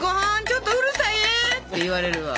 ちょっとうるさいえ！」って言われるわ。